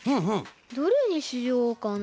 どれにしようかな。